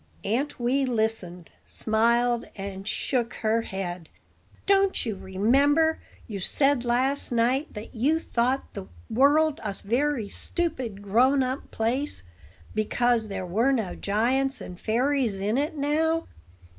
Aunt Wee listened, smiled, and shook her head. "Don't you remember you said last night that you thought the world a very stupid, grown up place, because there were no giants and fairies in it now?